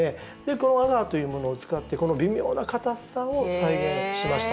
このアガーというものを使って微妙な硬さを再現しました。